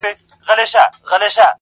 سړي وویل د کاکا زوی دي حاکم دئ!.